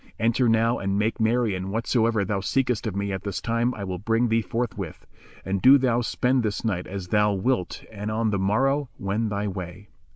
Enter now and make merry and whatsoever thou seekest of me at this time I will bring thee forthwith; and do thou spend this night as thou wilt and on the morrow wend thy way.